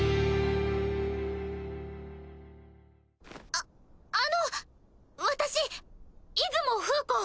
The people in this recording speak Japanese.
ああの私出雲風子。